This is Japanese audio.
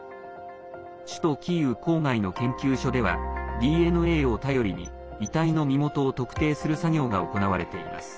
首都キーウ郊外の研究所ではＤＮＡを頼りに遺体の身元を特定する作業が行われています。